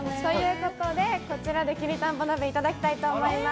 こちらできりたんぽ鍋、いただきたいと思います。